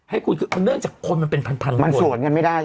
ให้คุณขึ้นเนื่องจากคนมันเป็นพันหมด